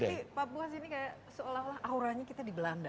tapi papua sini kayak seolah olah auranya kita di belanda